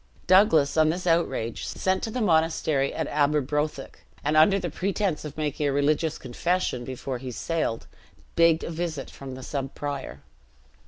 Douglas, on this outrage, sent to the monastery at Aberbrothick, and under the pretense of making a religious confession before he sailed, begged a visit from the sub prior.